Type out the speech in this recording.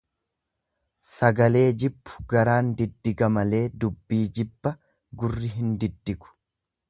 Sagalee jibbu garaan diddiga malee dubbii jibba gurri hin diddigu.